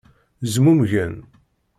Zmumgen.